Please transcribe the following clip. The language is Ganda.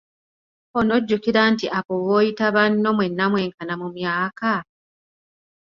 Onojjukira nti abo b'oyita banno mwenna mwenkana mu myaka?